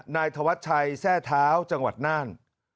นายธวัชชัยแทร่เท้าจังหวัดน่าน